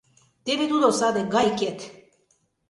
Теве тудо, саде гайкет!..